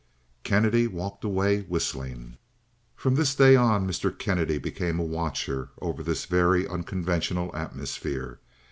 Kennedy walked away whistling. From this day on Mr. Kennedy became a watcher over this very unconventional atmosphere.